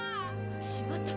しまった！